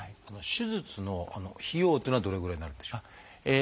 手術の費用というのはどれぐらいになるんでしょう？